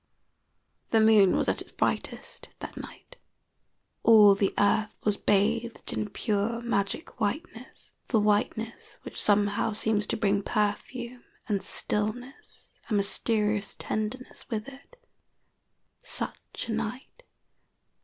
The moon was at its brightest that night. All the earth was bathed in pure, magic whiteness the whiteness which somehow seems to bring perfume and stillness and mysterious tenderness with it. Such a night!